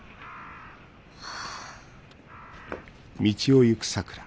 はあ。